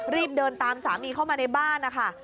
รีบเดินตามสามีเข้ามาในบ้านนะคะ